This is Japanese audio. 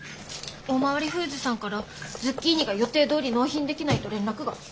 おおまわりフーズさんからズッキーニが予定どおり納品できないと連絡が。